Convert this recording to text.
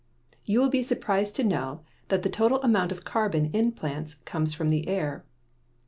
You will be surprised to know that the total amount of carbon in plants comes from the air.